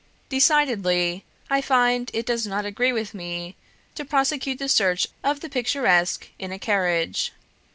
Decidedly I find it does not agree with me to prosecute the search of the picturesque in a carriage.